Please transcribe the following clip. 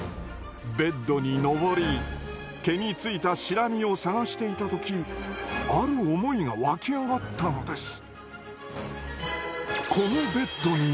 ベッドにのぼり毛についたシラミを探していた時ある思いがわき上がったのです。